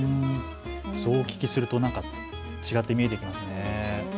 そうお聞きするとなんか違って見えてきますね。